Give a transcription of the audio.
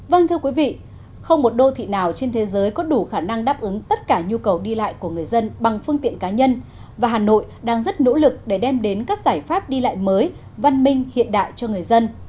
vâng thưa quý vị không một đô thị nào trên thế giới có đủ khả năng đáp ứng tất cả nhu cầu đi lại của người dân bằng phương tiện cá nhân và hà nội đang rất nỗ lực để đem đến các giải pháp đi lại mới văn minh hiện đại cho người dân